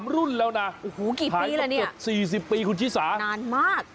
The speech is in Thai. ๓รุ่นแล้วนะขายประกอบ๔๐ปีคุณชิสานานมาก